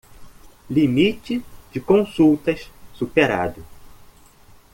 Limite de consultas superado.